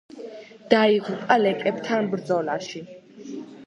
დაიღუპა ლეკებთან ბრძოლაში.